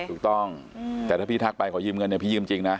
ถูกต้องแต่ถ้าพี่ทักไปขอยืมเงินเนี่ยพี่ยืมจริงนะ